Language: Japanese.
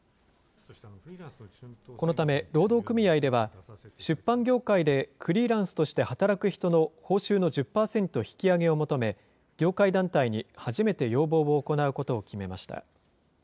このため労働組合では、出版業界でフリーランスとして働く人の報酬の１０％引き上げを求め、業界団体に初めて要望を行うことを決めました。